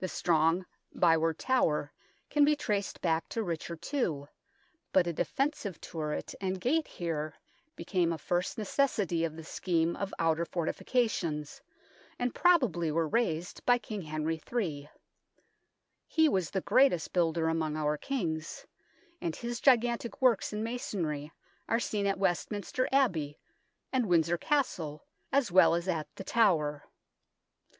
The strong Byward Tower can be traced back to Richard II, but a defensive turret and gate here became a first necessity of the scheme of outer fortifications, and probably were raised by King Henry III. He was the greatest builder among our Kings, and his gigantic works in masonry are seen at Westminster Abbey and Windsor Castle as well as at The Tower.